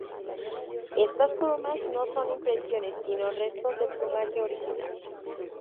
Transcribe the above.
Estas plumas no son impresiones sino restos del plumaje original.